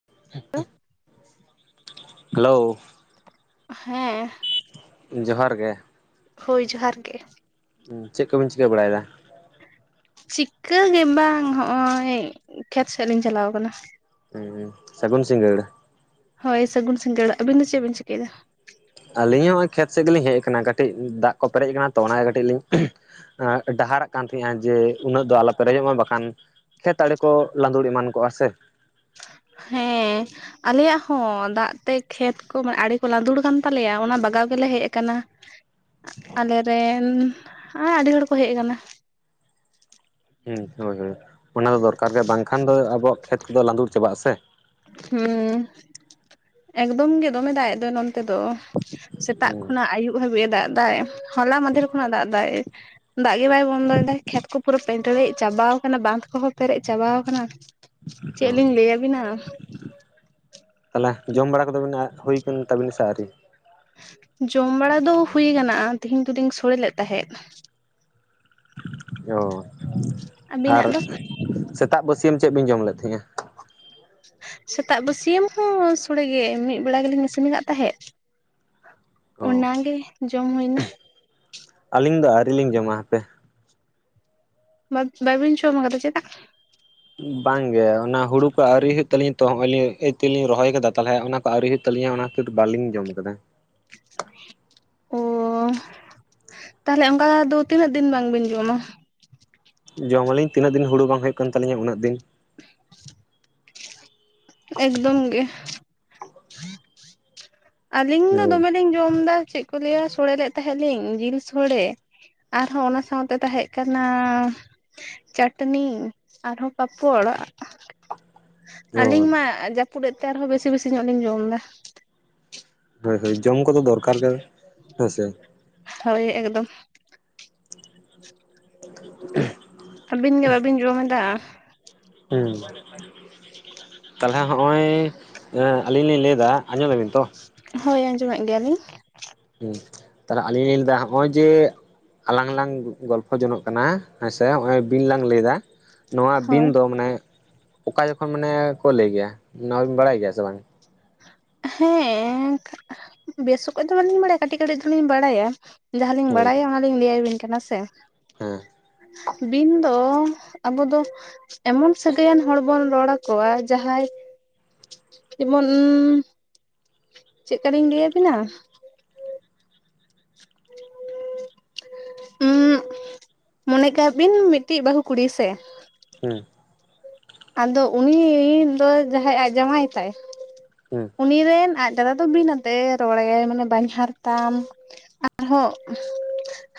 [unintelligible] Hello ᱦᱮᱸ ᱡᱚᱦᱟᱨ ᱜᱮ ᱦᱳᱭ ᱡᱚᱦᱟᱨ ᱜᱮ ᱪᱮᱫ ᱠᱚᱵᱤᱱ ᱪᱤᱠᱟᱹ ᱵᱟᱲᱟᱭᱮᱫᱟ ᱪᱤᱠᱟᱹᱜᱮ ᱵᱟᱝ ᱦᱚᱜᱼᱚᱭ ᱠᱷᱮᱛ ᱥᱮᱫ ᱞᱤᱧ ᱪᱟᱞᱟᱣ ᱟᱠᱟᱱᱟ ᱦᱩᱸ ᱥᱟᱹᱜᱩᱱ ᱥᱤᱜᱟᱲ ᱦᱳᱭ ᱥᱟᱹᱜᱩᱱ ᱥᱤᱸᱜᱟᱲ ᱟᱹᱵᱤᱱ ᱫᱚ ᱪᱮᱫ ᱵᱤᱱ ᱪᱤᱠᱟᱹᱭᱮᱫᱟ ᱟᱹᱞᱤᱧ ᱦᱚᱸ ᱱᱚᱜᱼᱚᱭ ᱠᱷᱮᱛ ᱥᱮᱫ ᱜᱮᱞᱤᱧ ᱦᱮᱡ ᱟᱠᱟᱱᱟ ᱠᱟᱹᱴᱤᱡ ᱫᱟᱜ ᱠᱚ ᱯᱮᱨᱮᱡ ᱟᱠᱟᱱᱟ ᱛᱚ ᱚᱱᱟᱜᱮ ᱠᱟᱹᱴᱤᱡ ᱞᱤᱧ ᱰᱟᱦᱟᱨᱟᱜ ᱠᱟᱱ ᱛᱟᱦᱮ ᱡᱮ ᱩᱱᱟᱹᱜ ᱫᱚ ᱟᱞᱚ ᱯᱮᱨᱮᱡᱚᱜ ᱢᱟ ᱵᱟᱠᱷᱟᱱ ᱠᱷᱮᱛ ᱟᱲᱮ ᱠᱚ ᱞᱟᱸᱫᱩᱲ ᱮᱢᱟᱱ ᱠᱚᱜᱼᱟ ᱥᱮ [inaudible] ᱦᱮᱸ ᱟᱞᱮᱭᱟᱜ ᱦᱚᱸ ᱫᱟᱜ ᱛᱮ ᱠᱷᱮᱛ ᱠᱚ ᱢᱟᱱᱮ ᱟᱹᱲᱤ ᱠᱚ ᱞᱟᱸᱫᱩᱲ ᱟᱠᱟᱱ ᱛᱟᱞᱮᱭᱟ ᱚᱱᱟ ᱵᱟᱜᱟᱣ ᱜᱮᱞᱮ ᱦᱮᱡ ᱟᱠᱟᱱᱟ [inaudible] ᱟᱞᱮᱨᱮᱱ ᱟᱹᱰᱤ ᱦᱚᱲ ᱠᱚ ᱦᱮᱡ ᱠᱟᱱᱟ ᱦᱩᱸ ᱦᱳᱭ ᱦᱳᱭ ᱚᱱᱟ ᱫᱚ ᱫᱚᱨᱠᱟᱨ ᱜᱮ ᱵᱟᱝᱠᱷᱟᱱ ᱫᱚ ᱟᱵᱚᱣᱟᱜ ᱠᱷᱮᱛ ᱠᱚᱫᱚ ᱞᱟᱸᱫᱩᱲ ᱪᱟᱵᱟᱜ ᱟᱥᱮ ᱦᱮᱸ ᱮᱠᱫᱚᱢ ᱜᱮ ᱫᱚᱢᱮ ᱫᱟᱜ ᱮᱫᱚ ᱱᱚᱱᱛᱮ ᱫᱚ ᱥᱮᱛᱟᱜ ᱦᱩᱸ ᱠᱷᱚᱱᱟᱜ ᱟᱹᱭᱩᱵ ᱦᱟᱹᱵᱤᱡᱼᱮ ᱫᱟᱜ ᱮᱫᱟᱭ ᱦᱚᱞᱟ ᱢᱟᱫᱷᱮᱨ ᱠᱷᱚᱱᱟᱜ ᱫᱟᱜ ᱮᱫᱟᱭ᱾ ᱫᱟᱜ ᱜᱮ ᱵᱟᱭ ᱵᱚᱱᱫᱚᱭᱮᱫᱟ ᱠᱷᱮᱛ ᱠᱚ ᱯᱩᱨᱟᱹ ᱯᱮᱨᱮᱡ ᱪᱟᱵᱟᱟᱣ ᱟᱠᱟᱱᱟ ᱵᱟᱸᱫᱷ ᱠᱚᱦᱚᱸ ᱯᱮᱨᱮᱡ ᱪᱟᱵᱟ ᱟᱠᱟᱱᱟ᱾ ᱚ ᱪᱮᱫ ᱞᱤᱧ ᱞᱟᱹᱭ ᱟᱹᱵᱤᱱᱟᱼᱼ ᱛᱟᱦᱚᱞᱮ ᱡᱚᱢ ᱵᱟᱲᱟ ᱠᱚᱫᱚ [unintelligible] ᱦᱩᱭ ᱟᱠᱟᱱ ᱛᱟᱵᱤᱱᱟ ᱥᱮ ᱟᱹᱣᱨᱤ? ᱡᱚᱢ ᱵᱟᱲᱟ ᱫᱚ ᱦᱩᱭ ᱟᱠᱟᱱᱟ ᱛᱮᱦᱮᱧ ᱫᱚᱞᱤᱧ ᱥᱳᱲᱮ ᱞᱮᱫ ᱛᱟᱦᱮᱸᱫ᱾ ᱚ ᱟᱨ ᱟᱹᱵᱤᱱᱟᱜ ᱫᱚ ᱥᱮᱛᱟᱜ ᱵᱟᱹᱥᱭᱟᱹᱢ ᱪᱮᱫ ᱵᱤᱱ ᱡᱚᱢ ᱞᱮᱫ ᱛᱟᱦᱮᱸᱫᱼᱟ᱾ ᱥᱮᱛᱟᱜ ᱵᱟᱹᱥᱭᱟᱢ ᱦᱚᱸ ᱥᱚᱲᱮ ᱜᱮ ᱢᱤᱫ ᱵᱮᱲᱟ ᱜᱮᱞᱤᱧ ᱤᱥᱤᱱ ᱟᱠᱟᱫ ᱛᱟᱦᱮᱸᱫ᱾ ᱚ ᱚᱱᱟᱜᱮ ᱡᱚᱢ ᱦᱩᱭᱱᱟ᱾ ᱟᱹᱞᱤᱧ ᱫᱚ ᱟᱹᱣᱨᱤ ᱞᱤᱧ ᱡᱚᱢᱟ ᱦᱟᱯᱮᱼᱼ ᱰᱟᱰ ᱵᱟᱵᱤᱱ ᱡᱚᱢ ᱟᱠᱟᱫᱟ ᱪᱮᱫᱟᱜ? ᱵᱟᱝᱜᱮ ᱚᱱᱟ ᱦᱩᱲᱩ ᱠᱚ ᱟᱹᱣᱨᱤ ᱦᱩᱭᱩᱜ ᱛᱟᱹᱞᱤᱧᱟ ᱛᱚ ᱱᱚᱜᱚᱭ ᱞᱤᱧ ᱤᱛᱟᱹ ᱞᱤᱧ ᱨᱚᱦᱚᱭ ᱟᱠᱟᱫᱟ ᱛᱟᱦᱚᱞᱮ ᱚᱱᱟᱼᱼ ᱟᱹᱣᱨᱤ ᱦᱩᱭᱩᱜ ᱛᱟᱹᱞᱤᱧᱟ ᱚᱱᱟ ᱠᱷᱟᱹᱛᱤᱨ ᱵᱟᱞᱤᱧ ᱡᱚᱢ ᱟᱠᱟᱫᱟ ᱚ ᱛᱟᱦᱚᱞᱮ ᱚᱱᱠᱟ ᱫᱚ ᱛᱤᱱᱟᱹᱜ ᱫᱤᱱ ᱵᱟᱝ ᱵᱤᱱ ᱡᱚᱢ ᱟ ᱡᱚᱢ ᱟᱞᱤᱧ ᱛᱤᱱᱟᱹᱜ ᱫᱤᱱ ᱦᱩᱲᱩ ᱵᱟᱝ ᱦᱩᱭᱩᱜ ᱠᱟᱱ ᱛᱟᱹᱞᱤᱧᱟ ᱩᱱᱟᱹᱜ ᱫᱤᱱ᱾ [unintelligible] ᱼᱼ ᱮᱠᱫᱚᱢ ᱜᱮ᱾ ᱟᱹᱞᱤᱧ ᱫᱚ ᱦᱳᱭ ᱫᱚᱢᱮᱞᱤᱧ ᱡᱚᱢ ᱮᱫᱟ᱾ ᱪᱮᱫ ᱠᱚ ᱞᱟᱹᱭᱟ ᱥᱚᱲᱮ ᱞᱮᱫ ᱛᱟᱦᱮᱸᱫ ᱞᱤᱧ ᱡᱤᱞ ᱥᱳᱲᱮ᱾ ᱟᱨᱦᱚᱸ ᱚᱱᱟ ᱥᱟᱶᱛᱮ ᱛᱟᱦᱮᱸ ᱠᱟᱱᱟᱼᱼ ᱪᱟᱹᱴᱱᱤ ᱟᱨᱦᱚᱸ ᱯᱟᱯᱚᱲᱼᱼ [unintelligible] ᱟᱞᱤᱧ ᱦᱳᱭ ᱢᱟ ᱡᱟᱹᱯᱩᱫ ᱮᱫ ᱛᱮ ᱟᱨᱦᱚᱸ ᱵᱮᱥᱤ ᱵᱮᱥᱤ ᱧᱚᱜ ᱞᱤᱧ ᱡᱚᱢᱫᱟ᱾ ᱦᱳᱭ ᱦᱳᱭ ᱡᱚᱢ ᱠᱚᱫᱚ ᱫᱚᱨᱠᱟᱨ ᱜᱮ ᱦᱮᱸ ᱥᱮᱼᱼ ᱦᱳᱭ ᱮᱠᱫᱚᱢ᱾ [unintelligible] ᱼᱼ ᱟᱹᱵᱤᱱ ᱜᱮ ᱵᱟᱵᱤᱱ ᱡᱚᱢ ᱮᱫᱟᱼᱼ ᱦᱮᱸ᱾ ᱛᱟᱦᱚᱞᱮ ᱱᱚᱜᱼᱚᱭ ᱟᱹᱞᱤᱧ ᱞᱤᱧ ᱞᱟᱹᱭᱮᱫᱟ ᱟᱸᱡᱚᱢ ᱟᱰᱤᱱ ᱛᱚᱼᱼ ᱦᱳᱭ ᱟᱸᱡᱚᱢᱮᱫ ᱜᱮᱭᱟᱞᱤᱧ᱾ ᱦᱮᱸ᱾ ᱛᱟᱦᱚᱞᱮ ᱟᱹᱞᱤᱧ ᱞᱤᱧ ᱞᱟᱹᱭ ᱞᱮᱫᱟ ᱱᱚᱜᱼᱚᱭ ᱡᱮᱼᱼ ᱟᱞᱟᱝ ᱞᱟᱝ ᱜᱚᱞᱯᱚ ᱡᱚᱝᱟᱜ ᱠᱟᱱᱟ ᱦᱮᱸᱥᱮ ᱱᱚᱜᱚᱭ ᱵᱤᱱ ᱞᱟᱝ ᱞᱟᱹᱭ ᱮᱫᱟᱼᱼ ᱱᱚᱣᱟ ᱵᱤᱱ ᱦᱳᱭ ᱫᱚ ᱢᱟᱱᱮ ᱚᱠᱟ ᱡᱚᱠᱷᱚᱱ ᱢᱟᱱᱮ ᱠᱚ ᱞᱟᱹᱭ ᱜᱮᱭᱟ ᱱᱚᱣᱟ ᱵᱤᱱ ᱵᱟᱲᱟᱭ ᱜᱮᱭᱟ ᱥᱮ ᱵᱟᱝ? ᱦᱮᱸ [unintelligible] ᱵᱮᱥ ᱚᱠᱚᱡ ᱫᱚ ᱵᱟᱞᱤᱧ ᱵᱟᱲᱟᱭᱟ ᱠᱟᱹᱴᱤᱡ ᱠᱟᱹᱴᱤᱡ ᱫᱚᱞᱤᱧ ᱵᱟᱲᱟᱭᱟᱼᱼ ᱡᱟᱦᱟᱸ ᱞᱤᱧ ᱦᱳᱭ ᱵᱟᱲᱟᱭᱟ ᱚᱱᱟᱞᱤᱧ ᱞᱟᱹᱭ ᱟᱵᱤᱱ ᱠᱟᱱᱟ ᱦᱮᱸᱥᱮᱼᱼ ᱦᱮᱸ᱾ ᱵᱤᱱ ᱫᱚ ᱟᱵᱚ ᱫᱚᱼᱼ ᱮᱢᱚᱱ ᱥᱟᱹᱜᱟᱹᱭᱟᱱ ᱦᱚᱲ ᱵᱚᱱ ᱨᱚᱲ ᱟᱠᱚᱣᱟ ᱡᱟᱦᱟᱸᱭᱼᱼ ᱡᱮᱢᱚᱱᱼᱼ ᱪᱮᱫ ᱞᱮᱠᱟ ᱞᱤᱧ ᱞᱟᱹᱭ ᱟᱵᱤᱱᱟᱼᱼ ᱩᱸᱜ ᱢᱚᱱᱮ ᱠᱟᱜ ᱵᱤᱱ ᱢᱤᱫᱴᱟᱝ ᱵᱟᱹᱦᱩ ᱠᱩᱲᱤ ᱦᱮᱸᱥᱮᱼᱼ ᱦᱮᱸ᱾ ᱟᱫᱚ ᱩᱱᱤᱻ ᱫᱚ ᱡᱟᱦᱟᱸᱭ ᱟᱡ ᱡᱟᱶᱟᱭ ᱛᱟᱭ ᱦᱩᱸ ᱩᱱᱤ ᱨᱮᱱ ᱟᱡ ᱼᱼ ᱫᱟᱫᱟ ᱫᱚ ᱵᱤᱱ ᱟᱛᱮᱫ ᱮ ᱨᱚᱲᱟᱭᱟ ᱢᱟᱱᱮ ᱵᱟᱦᱚᱧᱦᱟᱨ ᱛᱟᱢᱼᱼ ᱟᱨᱦᱚᱸ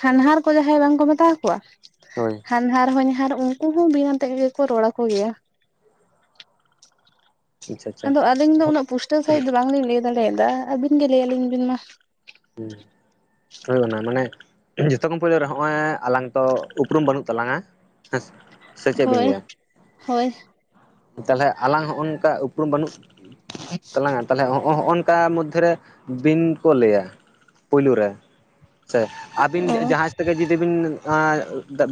ᱦᱟᱱᱦᱟᱨ ᱠᱚ ᱡᱟᱦᱟᱸᱭ ᱵᱟᱝᱠᱚ ᱢᱮᱛᱟ ᱟᱠᱚᱣᱟᱼᱼ ᱦᱳᱭ᱾ ᱦᱟᱱᱦᱟᱨ ᱦᱚᱧᱦᱟᱨ ᱩᱱᱠᱩ ᱦᱚᱸ ᱵᱤᱱ ᱟᱛᱮᱫ ᱜᱮᱠᱚ ᱨᱚᱲ ᱟᱠᱚ ᱜᱮᱭᱟ᱾ ᱟᱪᱪᱷᱟ ᱟᱪᱪᱷᱟ ᱟᱫᱚ ᱟᱹᱞᱤᱧ ᱫᱚ ᱩᱱᱟᱹᱜ ᱯᱩᱥᱴᱟᱹᱣ ᱥᱟᱺᱦᱤᱡ ᱫᱚ ᱵᱟᱝ ᱞᱤᱧ ᱞᱟᱹᱭ ᱫᱟᱲᱮᱭᱟᱫᱟ ᱟᱹᱵᱤᱱ ᱜᱮ ᱞᱟᱹᱭ ᱟᱹᱞᱤᱧ ᱵᱤᱱ ᱢᱟᱼᱼ ᱦᱮᱸ᱾ ᱦᱩᱭ ᱚᱱᱟ ᱢᱟᱱᱮ ᱡᱚᱛᱚ ᱠᱷᱚᱱ ᱯᱳᱭᱞᱳ ᱨᱮ ᱱᱚᱜᱼᱚᱭ ᱟᱞᱟᱝ ᱛᱚ ᱩᱯᱨᱩᱢ ᱵᱟᱹᱱᱩᱜ ᱛᱟᱞᱟᱝᱟᱼᱼ ᱦᱮᱸ ᱥᱮ, ᱥᱮ ᱪᱮᱫ ᱵᱤᱱ ᱦᱳᱭ ᱞᱟᱹᱭᱟᱼᱼ ᱦᱳᱭ᱾ ᱛᱟᱦᱚᱞᱮ ᱟᱞᱟᱝ ᱱᱚᱜᱼᱱᱚᱝᱠᱟ ᱩᱯᱨᱩᱢ ᱵᱟᱹᱱᱩᱜ ᱛᱟᱞᱟᱝᱟ ᱛᱟᱦᱚᱞᱮ ᱱᱚᱜᱚᱭ ᱼᱼ ᱚᱠᱟ ᱢᱚᱫᱽᱫᱷᱮ ᱨᱮ ᱵᱤᱱ ᱠᱚ ᱞᱟᱹᱭᱟ ᱯᱩᱭᱞᱩ ᱨᱮᱼᱼ ᱥᱮ ᱟᱹᱵᱤᱱ ᱚ ᱡᱟᱦᱟᱸᱭᱼᱼ ᱚᱸᱰᱮ ᱜᱮ ᱡᱩᱫᱤ ᱵᱤᱱ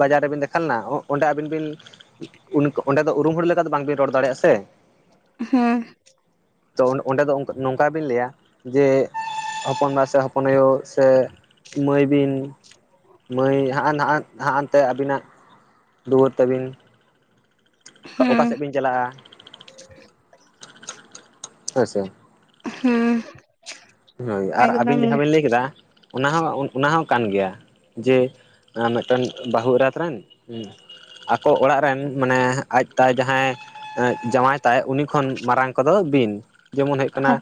ᱵᱟᱡᱟᱨ ᱨᱮ ᱵᱤᱱ ᱫᱮᱠᱷᱟᱣ ᱞᱮᱱᱟ ᱚᱸᱰᱮ ᱟᱵᱤᱱ ᱵᱤᱱ ᱚᱸᱰᱮ ᱟᱫᱚ ᱩᱨᱩᱢ ᱦᱚᱲ ᱞᱮᱠᱟ ᱫᱚ ᱵᱟᱝᱵᱤᱱ ᱨᱚᱲ ᱫᱟᱲᱮᱭᱟᱜᱼᱟ ᱥᱮ ᱦᱩᱸ ᱛᱚ ᱚᱸᱰᱮ ᱫᱚ ᱱᱚᱝᱠᱟ ᱜᱮ ᱵᱤᱱ ᱞᱟᱹᱭᱟ ᱡᱮ ᱦᱚᱯᱚᱱᱵᱟ ᱥᱮ ᱥᱮ ᱦᱚᱯᱚᱱ ᱟᱭᱚ ᱥᱮ ᱢᱟᱹᱭ ᱵᱤᱱ ᱢᱟᱹᱭ ᱦᱟᱜᱼᱟᱜ ᱱᱟᱦᱟᱜ ᱱᱟᱜ ᱟᱱᱛᱮ ᱟᱹᱵᱤᱱᱟᱜ ᱫᱩᱣᱟᱹᱨ ᱛᱟᱵᱤᱱ ᱚᱠᱟ ᱚᱠᱟ ᱦᱮᱸ ᱥᱮᱫ ᱵᱤᱱ ᱪᱟᱞᱟᱜᱼᱟ ᱦᱳᱭ ᱥᱮ ᱦᱩᱸ ᱦᱳᱭ ᱟᱨ ᱟᱹᱵᱤᱱ ᱡᱟᱦᱟᱸ ᱵᱤᱱ ᱞᱟᱹᱭ ᱠᱮᱫᱟ ᱚᱱᱟ ᱦᱚᱸ ᱚᱱᱟ ᱦᱚᱸ ᱠᱟᱱ ᱜᱮᱭᱟ ᱡᱮ ᱢᱤᱫ ᱴᱮᱱ ᱵᱟᱹᱦᱩ ᱮᱨᱟᱛ ᱨᱮᱱ ᱟᱠᱚ ᱚᱲᱟᱜ ᱨᱮᱱ ᱢᱟᱱᱮ ᱟᱡ ᱛᱟᱭ ᱡᱟᱦᱟᱸᱭ ᱡᱟᱶᱟᱭ ᱛᱟᱭ ᱩᱱᱤ ᱠᱷᱚᱱ ᱢᱟᱨᱟᱝ ᱠᱚ ᱫᱚ ᱵᱤᱱ ᱡᱮᱢᱚᱱ ᱦᱩᱭᱩᱜ ᱠᱟᱱᱟ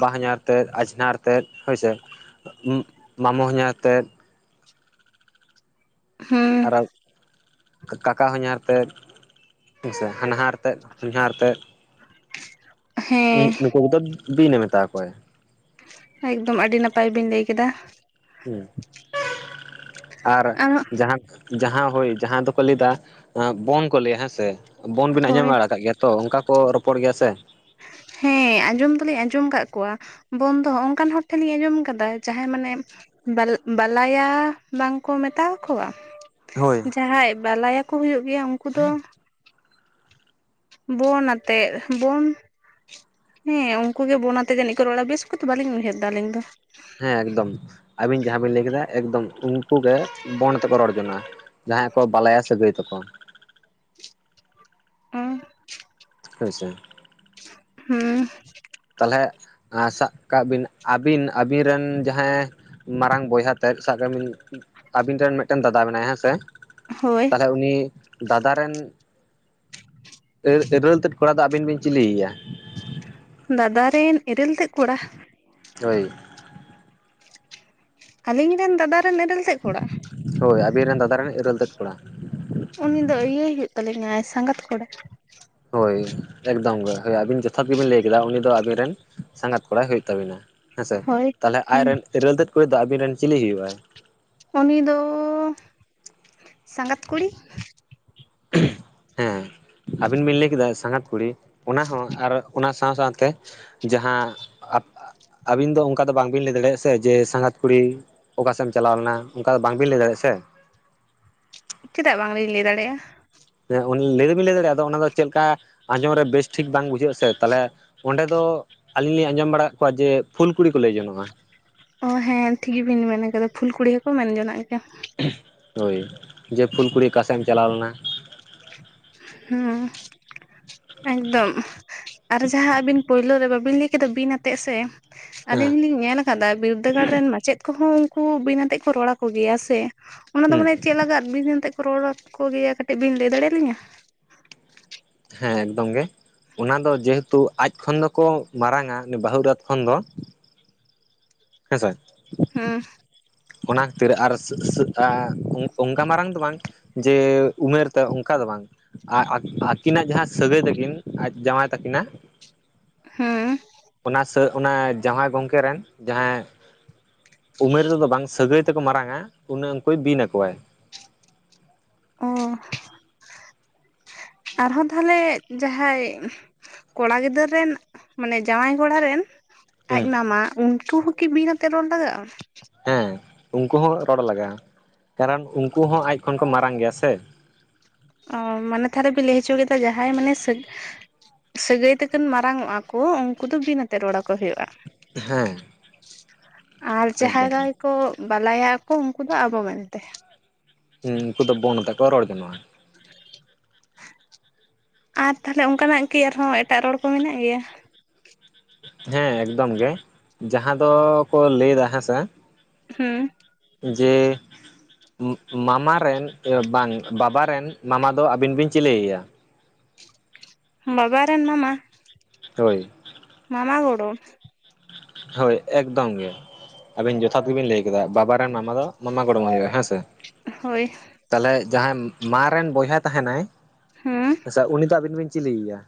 ᱵᱟᱦᱚᱧᱟᱨ ᱛᱮᱫ ᱟᱡᱷᱱᱟᱨ ᱛᱮ ᱮᱫ ᱦᱳᱭᱥᱮ ᱢᱟᱢᱚ ᱦᱚᱧᱦᱟᱨ ᱛᱮᱫ ᱦᱮᱸ [unintelligible] ᱠᱟᱠᱟ ᱦᱚᱧᱦᱟᱨ ᱛᱮᱫ ᱦᱮᱸᱥᱮ ᱦᱟᱱᱦᱟᱨ ᱛᱮᱫ ᱦᱚᱧᱦᱟᱨ ᱛᱮᱫ [unintelligible] ᱦᱩᱸ ᱱᱩᱠᱩ ᱠᱚ ᱫᱚ ᱵᱤᱱ ᱮ ᱢᱮᱛᱟ ᱟᱠᱚᱣᱟ ᱮᱠᱫᱚᱢ ᱟᱹᱰᱤ ᱱᱟᱯᱟᱭ ᱵᱤᱱ ᱞᱟᱹᱭ ᱠᱮᱫᱟ ᱦᱩᱸ ᱟᱨ ᱟᱨᱚ ᱡᱟᱦᱟᱸ ᱡᱟᱦᱟᱸ ᱦᱳᱭ ᱡᱟᱦᱟᱸ ᱫᱚ ᱠᱚ ᱞᱟᱹᱭ ᱮᱫᱟ ᱵᱚᱱ ᱠᱚ ᱞᱟᱹᱭᱟ ᱦᱮᱸᱥᱮ ᱵᱚᱱ ᱵᱤᱱ ᱟᱸᱡᱚᱢ ᱦᱳᱭ ᱵᱟᱲᱟ ᱟᱠᱟᱜ ᱜᱮᱭᱟ ᱛᱚ ᱚᱱᱠᱟ ᱠᱚ ᱨᱚᱯᱚᱲ ᱜᱮᱭᱟ ᱥᱮ ᱦᱮᱸ ᱟᱸᱡᱚᱢ ᱫᱚᱞᱤᱧ ᱟᱸᱡᱚᱢ ᱠᱟ ᱠᱚᱣᱟ ᱵᱚ ᱫᱚ ᱚᱱᱠᱟᱱ ᱦᱚᱲ ᱴᱷᱮᱱ ᱞᱤᱧ ᱟᱸᱡᱚᱢ ᱠᱟᱫᱟ ᱡᱟᱦᱟᱸᱭ ᱢᱟᱱᱮ ᱵᱟᱞᱟᱭᱟ ᱵᱟᱝᱠᱚ ᱢᱮᱛᱟᱣᱟ ᱟᱠᱚᱣᱟ ᱦᱳᱭ ᱡᱟᱦᱟᱸᱭ ᱵᱟᱞᱟᱭᱟ ᱠᱚ ᱦᱩᱭᱩᱜ ᱜᱮᱭᱟ ᱩᱱᱠᱩ ᱫᱚ ᱵᱚᱱ ᱟᱛᱮᱫ ᱵᱚᱱ ᱦᱮᱸ ᱩᱱᱠᱩ ᱜᱮ ᱵᱚᱱ ᱟᱛᱮ ᱡᱟᱹᱱᱤᱡ ᱠᱚ ᱨᱚᱲ-ᱟ ᱵᱮᱥ ᱠᱚ ᱫᱚ ᱵᱟᱹᱞᱤᱧ ᱩᱭᱦᱟᱹᱨ ᱮᱫᱟ ᱟᱹᱞᱤᱧ ᱫᱚ ᱦᱮᱸ ᱮᱠᱫᱚᱢ ᱟᱹᱵᱤᱱ ᱡᱟᱦᱟᱸ ᱵᱤᱱ ᱞᱟᱹᱭ ᱠᱮᱫᱟ ᱮᱠᱫᱚᱢ ᱩᱱᱠᱩ ᱜᱮ ᱵᱚᱱ ᱟᱛᱮ ᱠᱚ ᱨᱚᱲ ᱡᱚᱱᱟ ᱡᱟᱦᱟᱸᱭ ᱠᱚ ᱵᱟᱞᱟᱭᱟ ᱥᱟᱹᱜᱟᱹᱭ ᱛᱟᱠᱚ ᱩᱸ ᱦᱳᱭ ᱥᱮ ᱦᱩᱸ ᱛᱟᱞᱦᱮᱜ ᱥᱟᱵ ᱠᱟᱜ ᱵᱤᱱ ᱟᱹᱵᱤᱱ ᱟᱹᱵᱤᱱ ᱨᱮᱱ ᱡᱟᱦᱟᱸᱭ ᱢᱟᱨᱟᱝ ᱵᱚᱭᱦᱟ ᱛᱮᱫ ᱥᱟᱵ ᱠᱟᱜ ᱵᱤᱱ ᱟᱵᱤᱱ ᱴᱷᱮᱱ ᱢᱤᱫ ᱴᱮᱱ ᱫᱟᱫᱟ ᱢᱮᱱᱟᱭᱟ ᱦᱮᱸ ᱥᱮ ᱦᱳᱭ ᱛᱟᱞᱚᱦᱮ ᱩᱱᱤ ᱫᱟᱫᱟ ᱨᱮᱱ ᱮᱨᱮᱹᱞ ᱛᱮᱫ ᱠᱚᱲᱟ ᱫᱚ ᱟᱹᱵᱤᱱ ᱵᱤᱱ ᱪᱤᱞᱤᱭᱮᱭᱟ ᱫᱟᱫᱟ ᱨᱮᱱ ᱤᱨᱤᱞ ᱛᱮᱫ ᱠᱚᱲᱟ ᱦᱳᱭ ᱟᱞᱤᱧ ᱨᱮᱱ ᱫᱟᱫᱟ ᱨᱮᱱ ᱤᱨᱤᱞ ᱛᱮᱫ ᱠᱚᱲᱟ ᱦᱳᱭ ᱟᱵᱤᱱ ᱨᱮᱱ ᱫᱟᱫᱟ ᱨᱮᱱ ᱤᱨᱮᱞ ᱛᱮᱫ ᱠᱚᱲᱟ ᱩᱱᱤ ᱫᱚ ᱤᱭᱟᱹᱭ ᱦᱩᱭᱩᱜ ᱛᱟᱞᱤᱧᱟᱭ ᱥᱟᱸᱜᱟᱛ ᱠᱚᱲᱟ ᱦᱳᱭ ᱮᱠᱫᱚᱢ ᱜᱮ ᱦᱳᱭ ᱟᱹᱵᱤᱱ ᱡᱚᱛᱷᱟᱛ ᱜᱮ ᱵᱤᱱ ᱞᱟᱹᱭ ᱠᱮᱫᱟ ᱩᱱᱤ ᱫᱚ ᱟᱵᱤᱱ ᱨᱮᱱ ᱥᱟᱸᱜᱟᱛ ᱠᱚᱲᱟᱭ ᱦᱩᱭᱩᱜ ᱛᱟᱵᱤᱱᱟ ᱦᱮᱸᱥᱮ ᱦᱳᱭ ᱛᱟᱞᱚᱦᱮ ᱟᱡ ᱦᱩᱸ ᱨᱮᱱ ᱤᱨᱤᱞ ᱛᱮᱫ ᱠᱩᱲᱤ ᱫᱚ ᱟᱵᱤᱱ ᱨᱮᱱ ᱪᱤᱞᱤ ᱦᱩᱭᱩᱜ ᱟᱭ? ᱩᱱ ᱫᱚ ᱥᱟᱸᱜᱟᱛ ᱠᱩᱲᱤ [unintelligible] ᱦᱮᱸ ᱟᱹᱵᱤᱱ ᱵᱤᱱ ᱞᱟᱹᱭ ᱠᱮᱫᱟ ᱥᱟᱸᱜᱟᱛ ᱠᱩᱲᱤ ᱚᱱᱟᱦᱚᱸ ᱟᱨ ᱚᱱᱟ ᱥᱟᱶ ᱥᱟᱶᱛᱮ ᱡᱟᱦᱟᱸ ᱟᱹᱵᱤᱱ ᱫᱚ ᱚᱱᱠᱟ ᱫᱚ ᱵᱟᱝ ᱵᱤᱱ ᱞᱟᱹᱭ ᱫᱟᱲᱮᱭᱟᱜᱼᱟ ᱥᱮ ᱡᱮ ᱥᱟᱸᱜᱟᱛ ᱠᱩᱲᱤ ᱚᱠᱟ ᱥᱮᱫ ᱮᱢ ᱪᱟᱞᱟᱣ ᱞᱮᱱᱟ ᱚᱱᱠᱟ ᱫᱚ ᱵᱟᱝᱵᱤᱱ ᱞᱟᱹᱭ ᱫᱟᱲᱮᱭᱟᱜᱼᱟ ᱥᱮ ᱪᱮᱫᱟᱜ ᱵᱟᱝᱞᱤᱧ ᱞᱟᱹᱭ ᱫᱟᱲᱮᱭᱟᱜᱼᱟ? ᱦᱮᱸ ᱞᱟᱹᱭ ᱫᱚᱵᱤᱱ ᱞᱟᱹᱭ ᱫᱟᱲᱮᱭᱟᱜᱼᱟ ᱟᱫᱚ ᱚᱱᱟ ᱫᱚ ᱪᱮᱫᱠᱟ ᱟᱸᱡᱚᱢ ᱨᱮ ᱵᱮᱥ ᱴᱷᱤᱠ ᱵᱟᱝ ᱵᱩᱡᱷᱟᱹᱜᱼᱟ ᱥᱮ ᱛᱟᱦᱚᱞᱮ ᱚᱸᱰᱮ ᱫᱚ ᱟᱞᱤᱧ ᱞᱤᱧ ᱟᱸᱡᱚᱢ ᱵᱟᱲᱟ ᱟᱠᱟᱫ ᱠᱚᱣᱟ ᱡᱮ ᱯᱷᱩᱞ ᱠᱩᱲᱤ ᱠᱚ ᱞᱟᱹᱭ ᱡᱚᱱᱚᱜᱼᱟ ᱚ ᱦᱮᱸ ᱴᱷᱤᱠ ᱜᱮᱵᱤᱱ ᱢᱮᱱ ᱟᱠᱟᱫᱟ ᱯᱷᱩᱞ ᱠᱩᱲᱤ ᱦᱚᱸᱠᱚ ᱢᱮᱱ ᱡᱚᱱᱟᱜ ᱜᱮᱭᱟ᱾ ᱦᱳᱭ ᱡᱮ ᱯᱷᱩᱞ ᱠᱩᱲᱤ ᱚᱠᱟᱥᱮᱫ ᱮᱢ ᱪᱟᱞᱟᱣ ᱞᱮᱱᱟ? ᱦᱩᱸ ᱮᱠᱫᱚᱢ ᱟᱨ ᱡᱟᱦᱟᱸ ᱟᱹᱵᱤᱱ ᱯᱳᱭᱞᱳ ᱨᱮ ᱵᱟᱹᱵᱤᱱ ᱞᱟᱹᱭ ᱠᱮᱫᱟ ᱵᱤᱱ ᱟᱛᱮᱜ ᱥᱮ ᱦᱮᱸ ᱟᱞᱤᱧ ᱞᱤᱧ ᱧᱮᱞ ᱟᱠᱟᱫᱟ ᱵᱤᱨᱫᱟᱹᱜᱟᱲ ᱨᱮᱱ ᱢᱟᱪᱮᱫ ᱠᱚᱦᱚᱸ ᱩᱱᱠᱩ ᱵᱤᱱ ᱟᱛᱮᱜ ᱠᱚ ᱨᱚᱲ ᱟᱠᱚ ᱜᱮᱭᱟ ᱥᱮ ᱚᱱᱟ ᱫᱚ ᱦᱩᱸ ᱢᱟᱱᱮ ᱪᱮᱫ ᱞᱟᱜᱟᱫ ᱵᱤ ᱵᱤᱱ ᱟᱛᱮᱫ ᱠᱚ ᱨᱚᱲ ᱟᱠᱚ ᱜᱮᱭᱟ ᱠᱟᱹᱴᱤᱡ ᱵᱤᱱ ᱞᱟᱹᱭ ᱫᱟᱲᱮᱭᱟ ᱞᱤᱧᱟ ᱦᱮᱸ ᱮᱠᱫᱚᱢ ᱜᱮ ᱚᱱᱟ ᱫᱚ ᱡᱮᱦᱮᱛᱩ ᱟᱡ ᱠᱷᱚᱱ ᱫᱚ ᱠᱚ ᱢᱟᱨᱟᱝᱟ ᱩᱱᱤ ᱵᱟᱹᱦᱩ ᱮᱨᱟᱛ ᱠᱷᱚᱱ ᱫᱚ ᱦᱳᱭ ᱥᱮ ᱦᱮᱸ ᱚᱱᱟ ᱠᱷᱟᱹᱛᱤᱨ ᱟᱨ ᱚᱱᱠᱟ ᱢᱟᱨᱟᱝ ᱫᱚ ᱵᱟᱝ ᱡᱮ ᱩᱢᱮᱨ ᱛᱮ ᱚᱱᱠᱟ ᱫᱚ ᱵᱟᱝ ᱟᱨ ᱟᱹᱠᱤᱱᱟᱜ ᱡᱟᱦᱟᱸ ᱥᱟᱹᱜᱟᱹᱭ ᱛᱟᱹᱠᱤᱱ ᱟᱡ ᱡᱟᱶᱟᱭ ᱛᱟᱹᱠᱤᱱᱟᱜ ᱦᱩᱸ ᱚᱱᱟ ᱚᱱᱟ ᱡᱟᱶᱟᱭ ᱜᱚᱝᱠᱮ ᱨᱮᱱ ᱡᱟᱦᱟᱸ ᱩᱢᱮᱨ ᱨᱮᱫᱚ ᱵᱟᱝ ᱥᱟᱹᱜᱟᱹᱭ ᱛᱮᱠᱚ ᱢᱟᱨᱟᱝ ᱟ ᱩᱱ ᱩᱱᱠᱩᱭ ᱵᱤᱱ ᱟᱠᱚᱣᱟᱭ ᱚ ᱟᱨᱦᱚᱸ ᱛᱟᱦᱚᱞᱮ ᱡᱟᱦᱟᱸᱭ ᱠᱚᱲᱟ ᱜᱤᱫᱟᱹᱨ ᱨᱮᱱ ᱢᱟᱱᱮ ᱡᱟᱶᱟᱭ ᱠᱚᱲᱟ ᱨᱮᱱ ᱟᱡ ᱦᱩᱸ ᱢᱟᱢᱟ ᱩᱱᱠᱩ ᱦᱚᱸᱠᱤ ᱵᱤᱱ ᱟᱛᱮᱫ ᱨᱚᱲ ᱞᱟᱜᱟᱜᱼᱟ? ᱦᱮᱸ ᱩᱱᱠᱩ ᱦᱚᱸ ᱨᱚᱲ ᱞᱟᱜᱟᱜᱼᱟ ᱠᱟᱨᱚᱱ ᱩᱱᱠᱩ ᱦᱚᱸ ᱟᱡ ᱠᱷᱚᱱ ᱠᱚ ᱢᱟᱨᱟᱝ ᱜᱮᱭᱟ ᱥᱮ ᱚ ᱢᱟᱱᱮ ᱛᱟᱦᱞᱮ ᱵᱤᱱ ᱞᱟᱹᱭ ᱦᱚᱪᱚ ᱠᱮᱫᱟ ᱡᱟᱦᱟᱸᱭ ᱢᱟᱱᱮ ᱥᱟᱹᱼᱼ ᱥᱟᱹᱜᱟᱹᱭ ᱛᱮᱠᱚ ᱢᱟᱨᱟᱝ ᱚᱜ ᱟᱠᱚ ᱩᱱᱠᱩ ᱫᱚ ᱵᱤᱱ ᱟᱛᱮᱫ ᱨᱚᱲ ᱟᱠᱚ ᱦᱩᱭᱩᱜᱼᱟ ᱦᱮᱸ ᱟᱨ ᱮᱠᱫᱚᱢ ᱡᱟᱦᱟᱸᱭ ᱫᱚ ᱠᱚ ᱵᱟᱞᱟᱭᱟ ᱟᱠᱚ ᱩᱱᱠᱩ ᱫᱚ ᱟᱵᱚ ᱢᱮᱱᱛᱮ ᱦᱮᱸ ᱩᱱᱠᱩ ᱫᱚ ᱵᱚᱱ ᱛᱮ ᱠᱚ ᱨᱚᱲ ᱡᱚᱱᱚᱜᱼᱟ ᱟᱨ ᱛᱟᱦᱞᱮ ᱚᱱᱠᱟᱱᱟᱜ ᱠᱤ ᱟᱨᱦᱚᱸ ᱮᱴᱟᱜ ᱨᱚᱲ ᱠᱚ ᱢᱮᱱᱟᱜ ᱜᱮᱭᱟ? ᱦᱮᱸ ᱮᱠᱫᱚᱢ ᱜᱮ ᱡᱟᱦᱟᱸ ᱫᱚᱠᱚ ᱞᱟᱹᱭ ᱮᱫᱟ ᱦᱮᱸᱥᱮ ᱦᱩᱸ ᱡᱮ ᱢᱟᱢᱟ ᱨᱮᱱ ᱵᱟᱝ ᱵᱟᱵᱟ ᱨᱮᱱ ᱢᱟᱢᱟ ᱫᱚ ᱟᱹᱵᱤᱱ ᱵᱤᱱ ᱪᱤᱞᱤ ᱟᱭᱟ? ᱵᱟᱵᱟ ᱨᱮᱱ ᱢᱟᱢᱟ? ᱦᱳᱭ ᱢᱟᱢᱟ ᱜᱚᱲᱚᱢ ᱦᱳᱭ ᱮᱠᱫᱚᱢ ᱜᱮ ᱟᱵᱤᱱ ᱡᱚᱛᱷᱟᱛ ᱜᱮᱵᱤᱱ ᱞᱟᱹᱭ ᱠᱮᱫᱟ ᱵᱟᱵᱟ ᱨᱮᱱ ᱢᱟᱢᱟ ᱫᱚ ᱢᱟᱢᱟ ᱜᱚᱲᱚᱢ ᱦᱩᱭᱩᱜᱼᱟ ᱦᱮᱸ ᱥᱮ ᱦᱳᱭ ᱛᱟᱦᱚᱞᱮ ᱡᱟᱦᱟᱸᱭ ᱢᱟ ᱨᱮᱱ ᱵᱚᱭᱦᱟ ᱛᱟᱦᱮᱱᱟᱭ ᱟᱪᱪᱷᱟ ᱩᱱᱤ ᱫᱚ ᱟᱵᱤᱱ ᱵᱤᱱ ᱪᱤᱞᱤᱭᱮᱭᱟ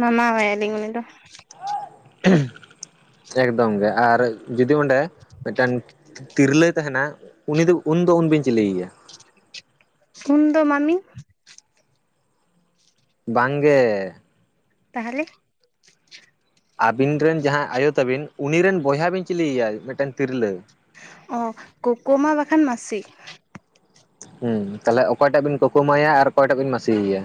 ᱢᱟᱢᱟ ᱟᱭᱟᱞᱤᱧ ᱩᱱᱤ ᱫᱚ ᱮᱠᱫᱚᱢ ᱜᱮ ᱟᱨ ᱡᱩᱫᱤ ᱚᱸᱰᱮ ᱢᱤᱫᱴᱮᱱ ᱛᱤᱨᱞᱟᱹ ᱛᱟᱦᱮᱱᱟ ᱩᱱᱤ ᱫᱚ ᱩᱱᱫᱚ ᱩᱱ ᱵᱤᱱ ᱪᱤᱞᱤᱭ ᱮᱭᱟ ᱩᱱ ᱫᱚ ᱢᱟᱢᱤ ᱵᱟᱝ ᱜᱮ ᱛᱟᱦᱞᱮ ᱟᱹᱵᱤᱱ ᱨᱮᱱ ᱡᱟᱦᱟᱸᱭ ᱟᱭᱚ ᱛᱟᱵᱤᱱ ᱩᱱᱤ ᱨᱮᱱ ᱵᱚᱭᱦᱟ ᱵᱤᱱ ᱪᱤᱞᱤ ᱟᱭᱟ ᱢᱤᱫᱴᱮᱱ ᱛᱤᱨᱞᱟᱹ ᱚ ᱠᱳᱠᱳ ᱢᱟ ᱵᱟᱝᱠᱷᱟᱱ ᱢᱟᱹᱥᱤ ᱦᱮᱸ ᱛᱟᱦᱞᱮ ᱚᱠᱚᱭᱴᱟᱜ ᱵᱤᱱ ᱠᱳᱠᱳ ᱢᱟ ᱥᱭᱟ ᱟᱨ ᱚᱠᱚᱭᱴᱟᱜ ᱵᱤᱱ ᱢᱟᱹᱥᱤ ᱟᱭᱟ?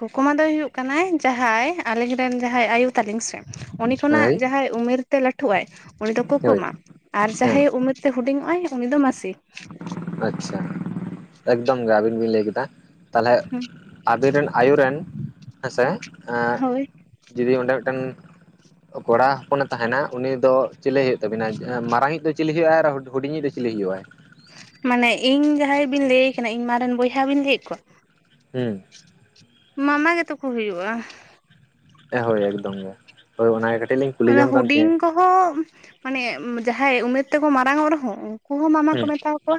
ᱠᱳᱠᱳᱢᱟ ᱫᱚᱭ ᱦᱩᱭᱩᱜ ᱠᱟᱱᱟᱭ ᱡᱟᱦᱟᱸᱭ ᱟᱹᱞᱤᱧ ᱨᱮᱱ ᱡᱟᱦᱟᱸᱭ ᱟᱭᱳ ᱛᱟᱞᱤᱧ ᱥᱮ ᱩᱱᱤ ᱠᱷᱚᱱᱟᱜ ᱦᱳᱭ ᱡᱟᱦᱟᱸᱭ- ᱩᱢᱮᱨ ᱛᱮ ᱞᱟᱹᱴᱷᱩᱜᱼᱟᱭ ᱩᱱᱤ ᱫᱚ ᱦᱳᱭ ᱠᱳᱠᱳᱢᱟ ᱟᱨ ᱦᱮᱸ ᱡᱟᱦᱟᱸᱭ ᱩᱢᱮᱨ- ᱛᱮ ᱦᱩᱰᱤᱧᱚᱜᱼ ᱟᱭ ᱩᱱᱤ ᱫᱚ ᱢᱟᱹᱥᱤ᱾ ᱟᱪᱪᱷᱟ, ᱮᱠᱫᱚᱢ ᱜᱮ ᱟᱹᱵᱤᱱ ᱵᱤᱱ ᱞᱟᱹᱭ ᱠᱮᱫᱟ᱾ ᱛᱟᱦᱞᱮ, ᱟᱵᱤᱱ ᱨᱮᱱ ᱟᱭᱩ ᱨᱮᱱ ᱦᱮᱸᱥᱮ ᱮᱸ᱾ ᱦᱳᱭ ᱡᱩᱫᱤ ᱚᱸᱰᱮ ᱢᱤᱫᱴᱮᱱ- ᱠᱚᱲᱟ ᱦᱚᱯᱚᱱᱮ ᱛᱟᱦᱮᱱᱟ ᱩᱱᱤ ᱫᱚ ᱪᱤᱞᱤ ᱦᱩᱭᱩᱜ ᱛᱟᱵᱤᱱᱟ? ᱢᱟᱨᱟᱝ-ᱤᱡ ᱫᱚ ᱪᱤᱞᱤ ᱦᱩᱭᱩᱜᱼᱟ ᱟᱨ ᱦᱩᱰᱤᱧᱤᱡ ᱫᱚ- ᱪᱤᱞᱤ ᱦᱩᱭᱩᱜᱼᱟᱭ? ᱢᱟᱱᱮ ᱤᱧ ᱡᱟᱦᱟᱸᱭ ᱵᱤᱱ ᱞᱟᱹᱭᱮ ᱠᱟᱱᱟ, ᱤᱧ ᱢᱟ ᱨᱮᱱ ᱵᱚᱭᱦᱟ ᱵᱤᱱ ᱞᱟᱹᱭᱮᱫ ᱠᱚᱣᱟ? ᱦᱮᱸ᱾ ᱢᱟᱢᱟ ᱜᱮᱛᱚ ᱠᱚ ᱦᱩᱭᱩᱜᱼᱟ ᱦᱳᱭ ᱮᱠᱫᱚᱢ ᱜᱮ ᱦᱳᱭ ᱚᱱᱟ ᱜᱮ ᱠᱟᱹᱴᱤᱡ ᱞᱤᱧ ᱠᱩᱞᱤ ᱚᱱᱟ ᱡᱚᱝ ᱠᱟᱱ ᱦᱩᱰᱤᱧ ᱛᱟᱦᱮᱸᱫ ᱠᱚᱦᱚᱸ ᱢᱟᱱᱮ ᱡᱟᱦᱟᱸᱭ ᱩᱢᱮᱨ ᱛᱮᱠᱚ ᱢᱟᱨᱟᱝᱚᱜ ᱨᱮᱦᱚᱸ ᱩᱱᱠᱩ ᱦᱚᱸ ᱢᱟᱢᱟ ᱠᱚ ᱦᱩᱸ ᱢᱮᱛᱟᱣ ᱠᱚᱣᱟ᱾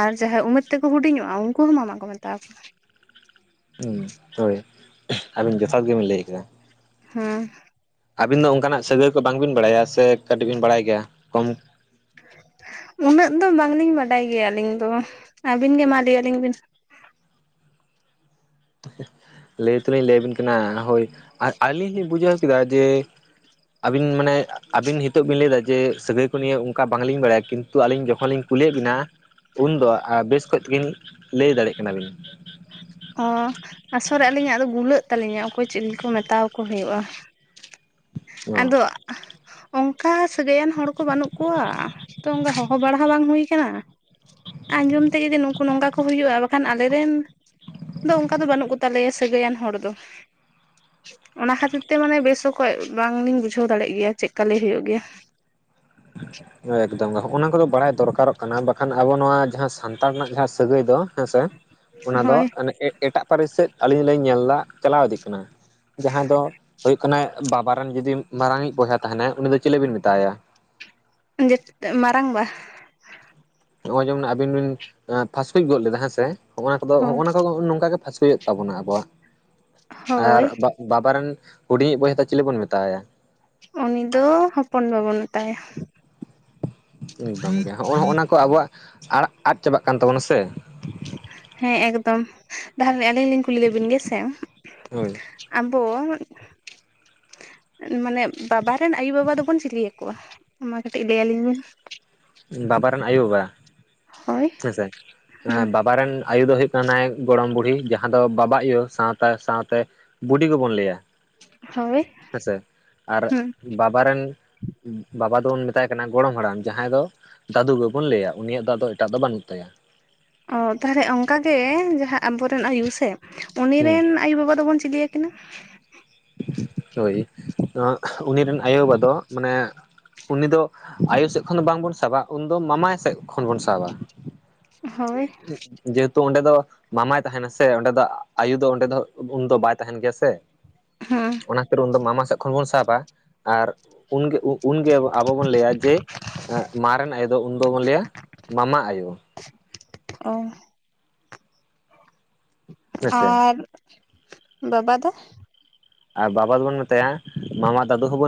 ᱟᱨ ᱡᱟᱦᱟᱸᱭ ᱩᱢᱮᱨ ᱛᱮᱠᱚ ᱦᱩᱰᱤᱧᱚᱜᱼᱟ ᱩᱱᱠᱩ ᱦᱚᱸ ᱢᱟᱢᱟ ᱠᱚ ᱢᱮᱛᱟ ᱟᱠᱚᱣᱟ᱾ ᱦᱩᱸ, ᱦᱳᱭ ᱟᱹᱵᱤᱱ ᱡᱚᱛᱷᱟᱛ ᱜᱮᱵᱤᱱ ᱞᱟᱹᱭ ᱠᱮᱫᱟ᱾ ᱦᱮᱸ᱾ ᱟᱹᱵᱤᱱ ᱫᱚ ᱚᱱᱠᱟᱱᱟᱜ ᱥᱟᱹᱜᱟᱹᱭ ᱠᱚ ᱵᱟᱝᱵᱤᱱ ᱵᱟᱲᱟᱭᱟ, ᱥᱮ ᱠᱟᱹᱴᱤᱡ ᱵᱤᱱ ᱵᱟᱲᱟᱭ ᱜᱮᱭᱟ ᱠᱚᱢ- ᱩᱱᱟᱹᱜ ᱫᱚ ᱵᱟᱝᱞᱤᱧ ᱵᱟᱰᱟᱭ ᱜᱮᱭᱟ ᱟᱹᱞᱤᱧ ᱫᱚ᱾ ᱟᱹᱵᱤᱱ ᱜᱮ ᱢᱟ ᱞᱮᱭᱟᱞᱤᱧᱵᱤᱱ᱾ ᱞᱮᱭ ᱛᱚᱞᱤᱧ ᱞᱮᱭᱟᱵᱤᱱ ᱠᱟᱱᱟ ᱦᱳᱭ ᱟᱨ ᱟᱹᱞᱤᱧ ᱞᱤᱧ ᱵᱩᱡᱷᱟᱹᱣ ᱠᱮᱫᱟ ᱡᱮ- ᱟᱹᱵᱤᱱ ᱢᱟᱱᱮ- ᱟᱹᱵᱤᱱ ᱦᱤᱛᱳᱜ ᱵᱤᱱ ᱞᱟᱹᱭ ᱮᱫᱟ ᱡᱮ ᱥᱟᱹᱜᱟᱹᱭ ᱠᱚ ᱱᱤᱭᱮ ᱚᱱᱠᱟ ᱵᱟᱝᱞᱤᱧ ᱵᱟᱲᱟᱭᱟ, ᱠᱤᱱᱛᱩ ᱟᱹᱞᱤᱧ ᱡᱚᱠᱷᱚᱱ ᱞᱤᱧ ᱠᱩᱞᱤᱭᱮᱫ ᱵᱤᱱᱟ᱾ ᱩᱱᱫᱚ ᱟ ᱵᱮᱥ ᱠᱚᱡ ᱛᱤᱜᱤ ᱞᱟᱹᱭ ᱫᱟᱲᱮ ᱟᱜ ᱠᱟᱱᱟᱵᱤᱱ᱾ ᱚ ᱟᱥᱚᱞᱮ ᱟᱹᱞᱤᱧᱟᱜ ᱫᱚ ᱜᱩᱞᱟᱹᱜ ᱛᱟᱹᱞᱤᱧᱟ, ᱚᱠᱚᱭ ᱪᱮᱫ ᱞᱮᱠᱚ ᱢᱮᱛᱟᱣᱟᱠᱚ ᱦᱩᱭᱩᱜᱼᱟ᱾ [inaudible] ᱟᱫᱚ ᱚᱝᱠᱟ- ᱥᱟᱹᱜᱟᱹᱭᱟᱱ ᱦᱚᱲ ᱠᱚ ᱵᱟᱹᱱᱩᱜ ᱠᱚᱣᱟ᱾ ᱛᱚ ᱚᱱᱠᱟ ᱦᱚᱦᱚ ᱵᱟᱲᱟ ᱦᱚ ᱵᱟᱝ ᱦᱩᱭ ᱟᱠᱟᱱᱟ᱾ ᱟᱸᱡᱚᱢ ᱛᱮ ᱡᱩᱫᱤ ᱱᱩᱠᱩ ᱱᱚᱝᱠᱟ ᱠᱚ ᱦᱩᱭᱩᱜᱼᱟ ᱵᱟᱠᱷᱟᱱ ᱟᱞᱮᱨᱮᱱ᱾ ᱟᱫᱚ ᱚᱱᱠᱟ ᱫᱚ ᱵᱟᱹᱱᱩᱜ ᱠᱚ ᱛᱟᱞᱮᱭᱟ ᱥᱟᱹᱜᱟᱹᱭᱟᱱ ᱦᱚᱲ ᱫᱚ᱾ ᱚᱱᱟ ᱠᱷᱟᱹᱛᱤᱨ ᱛᱮ ᱢᱟᱱᱮ ᱵᱮᱥ ᱚᱠᱚᱡ ᱵᱟᱝᱞᱤᱧ ᱵᱩᱡᱷᱟᱹᱣ ᱫᱟᱲᱮᱜ ᱜᱮᱭᱟ ᱪᱮᱫᱠᱟ ᱞᱟᱹᱭ ᱦᱩᱭᱩᱜ ᱜᱮᱭᱟ᱾ [inaudible] ᱮᱠᱫᱚᱢ ᱜᱮ ᱱᱚᱸᱜ-ᱚ ᱱᱚᱣᱟ ᱠᱚᱫᱚ ᱵᱟᱲᱟᱭ ᱫᱚᱨᱠᱟᱨᱚᱜ ᱠᱟᱱᱟ, ᱵᱟᱠᱷᱟᱱ ᱟᱵᱚ ᱱᱚᱣᱟ ᱡᱟᱦᱟᱸ ᱥᱟᱱᱛᱟᱲ ᱨᱮᱱᱟᱜ ᱡᱟᱦᱟᱸ ᱥᱟᱹᱜᱟᱹᱭ ᱫᱚ ᱦᱮᱸᱥᱮ᱾ ᱚᱱᱟ ᱫᱚ ᱦᱳᱭ ᱚᱱᱮ ᱮᱜ-ᱮᱴᱟᱜ ᱯᱟᱹᱨᱤᱥ ᱥᱮᱫ ᱟᱹᱞᱤᱧ ᱞᱤᱧ ᱧᱮᱞ ᱫᱟ ᱪᱟᱞᱟᱣ ᱤᱫᱤᱜ ᱠᱟᱱᱟ᱾ ᱡᱟᱦᱟᱸᱭ ᱫᱚ ᱦᱩᱭᱩᱜ ᱠᱟᱱᱟᱭ ᱵᱟᱵᱟ ᱨᱮᱱ ᱡᱩᱫᱤ ᱢᱟᱨᱟᱝᱤᱡ ᱵᱚᱭᱦᱟ ᱛᱟᱦᱮᱱᱟᱭ ᱩᱱᱤ ᱫᱚ ᱪᱤᱞᱤ ᱵᱤᱱ ᱢᱮᱛᱟᱭᱟ? [unintelligible] ᱢᱟᱨᱟᱝ ᱵᱟ᱾ ᱱᱚᱜᱼᱚᱭ ᱡᱮᱢᱚᱱ ᱟᱵᱤᱱ ᱵᱤᱱ ᱯᱷᱟᱥᱠᱡ ᱜᱚᱫ ᱞᱮᱫᱟ ᱦᱮᱸ ᱥᱮ ᱦᱚᱸᱜ-ᱱᱟ ᱠᱚᱫᱚ ᱦᱳᱭ ᱦᱚᱸᱜᱼᱱᱟ ᱠᱚ-ᱠᱚ ᱱᱚᱝᱠᱟᱜᱮ ᱯᱷᱟᱥᱠᱩᱡᱚᱜ᱾ ᱛᱟᱵᱚᱱᱟ ᱟᱵᱚᱣᱟᱜ᱾ ᱟᱨ ᱦᱳᱭ ᱵᱟ-ᱵᱟᱵᱟᱨᱮᱱ ᱦᱩᱰᱤᱧᱤᱡ ᱵᱚᱭᱦᱟ ᱫᱚ ᱪᱤᱞᱤ ᱵᱚᱱ ᱢᱮᱛᱟᱣᱟᱭᱟ? ᱩᱱᱤ ᱫᱚ ᱦᱚᱯᱚᱱ ᱵᱟ ᱵᱚᱱ ᱢᱮᱛᱟᱭᱟ᱾ ᱮᱠᱫᱚᱢ ᱜᱮ ᱱᱚᱸᱜᱼᱚ ᱱᱚᱸᱜ-ᱱᱟ ᱠᱚ ᱟᱵᱚᱣᱟᱜ ᱟᱲᱟᱜ ᱟᱫ ᱪᱟᱵᱟᱜ ᱠᱟᱱ ᱛᱟᱵᱚᱱᱟ ᱥᱮ᱾ ᱦᱮᱸ ᱮᱠᱫᱚᱢ, ᱛᱟᱦᱟᱠᱮ ᱟᱹᱞᱤᱧ ᱞᱤᱧ ᱠᱩᱞᱤ ᱞᱮᱵᱤᱱ ᱜᱮ ᱥᱮ᱾ ᱦᱳᱭ ᱟᱵᱚ, ᱢᱟᱱᱮ ᱵᱟᱵᱟ ᱨᱮᱱ ᱟᱭᱩᱵᱟᱵᱟ ᱫᱚᱵᱚᱱ ᱪᱤᱞᱤ ᱟᱠᱚᱣᱟ? ᱢᱟ ᱠᱟᱹᱴᱤᱡ ᱞᱟᱹᱭ ᱟᱹᱞᱤᱧ ᱵᱤᱱ᱾ ᱵᱟᱵᱟ ᱨᱮᱱ ᱟᱭᱳ ᱵᱟᱵᱟ ᱦᱳᱭ ᱦᱮᱸᱥᱮ ᱦᱩᱸ ᱵᱟᱵ- ᱵᱟᱨᱮᱱ ᱟᱭᱳ ᱫᱚᱭ ᱦᱩᱭᱩᱜ ᱠᱟᱱᱟᱭ ᱜᱚᱲᱚᱢ ᱵᱩᱲᱦᱤ ᱡᱟᱦᱟᱸ ᱫᱚ ᱵᱟᱵᱟ ᱟᱭᱳ ᱥᱟᱶᱛᱟ ᱥᱟᱶᱛᱮ- ᱵᱩᱰᱤᱜᱚ ᱵᱚᱱ ᱞᱟᱹᱭᱟ᱾ ᱦᱳᱭ ᱦᱮᱸᱥᱮ ᱟᱨ ᱦᱩᱸ ᱵᱟᱵ- ᱵᱟᱵᱟᱟᱨ ᱨᱮᱱ ᱵᱟᱵᱟ ᱫᱚᱵᱚᱱ ᱢᱮᱛᱟᱭ ᱠᱟᱱᱟ ᱜᱚᱲᱚᱢ ᱦᱟᱲᱟᱢ ᱡᱟᱦᱟᱸᱭ ᱫᱚ᱾ ᱫᱟᱹᱫᱩ ᱜᱮᱵᱚᱱ ᱞᱟᱹᱭᱟ ᱩᱱᱤᱭᱟᱜ ᱫᱚ ᱟᱫᱚ ᱮᱴᱟᱜ ᱫᱚ ᱵᱟᱹᱱᱩᱜ ᱛᱟᱭᱟ᱾ ᱚ ᱛᱟᱦᱚᱞᱮ ᱚᱱᱠᱟ ᱜᱮ ᱡᱟᱦᱟᱸ ᱟᱵᱚᱨᱮᱱ ᱟᱭᱩ ᱥᱮ ᱩᱱᱤ ᱦᱩᱸ ᱨᱮᱱ ᱟᱭᱳᱼᱵᱟᱵᱟ ᱫᱚᱵᱚᱱ ᱪᱤᱞᱤᱭᱟ᱾ ᱤᱱᱟᱹ᱾ ᱦᱳᱭ ᱩᱱᱤ ᱨᱮᱱ ᱟᱭᱳᱵᱟᱵᱟ ᱫᱚ ᱢᱟᱱᱮ ᱩᱱᱤ ᱫᱚ ᱟᱭᱩ ᱥᱮᱫ ᱠᱷᱚᱱ ᱫᱚ ᱵᱟᱝ ᱵᱚᱱ ᱥᱟᱵᱟ ᱩᱱᱫᱚ ᱢᱟᱢᱟᱭ ᱥᱮᱫ ᱠᱷᱚᱱ ᱵᱚᱱ ᱥᱟᱵᱟ ᱦᱳᱭ ᱡᱮᱦᱮᱛᱩ ᱚᱸᱰᱮ ᱫᱚ ᱢᱟᱢᱟᱭ ᱛᱟᱦᱮᱱᱟ ᱥᱮ ᱚᱸᱰᱮ ᱫᱚ ᱟᱭᱩ ᱫᱚ ᱚᱸᱰᱮ ᱫᱚ ᱩᱱ ᱫᱚ ᱵᱟᱭ ᱛᱟᱦᱮᱱ ᱜᱮᱭᱟ ᱥᱮ ᱦᱮᱸ ᱚᱱᱟ ᱠᱷᱟᱹᱛᱤᱨ ᱩᱱᱫᱚ ᱢᱟᱢᱟ ᱥᱮᱫ ᱠᱷᱚᱱ ᱵᱚᱱ ᱥᱟᱵᱟ ᱟᱨᱜᱮ ᱩᱱᱜᱮ ᱟᱵᱚ ᱵᱚᱱ ᱞᱟᱹᱭᱟ ᱡᱮ ᱢᱟ ᱨᱮᱱ ᱟᱭᱳ ᱫᱚ ᱩᱱ ᱫᱚ ᱵᱚᱱ ᱞᱟᱹᱭᱟ ᱢᱟᱢᱟ ᱟᱭᱳ ᱚ ᱦᱮᱸᱥᱮ ᱟᱨ ᱵᱟᱵᱟ ᱫᱚ ᱟᱨ ᱵᱟᱵᱟ ᱫᱚᱵᱚᱱ ᱢᱮᱛᱟᱭᱟ ᱢᱟᱢᱟ ᱫᱟᱫᱩ ᱦᱚᱸᱵᱚᱱ